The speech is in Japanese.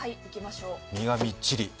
実がみっちり。